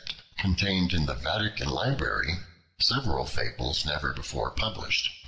contained in the Vatican library several fables never before published.